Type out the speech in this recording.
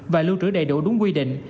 và lưu trữ đầy đủ đúng quy định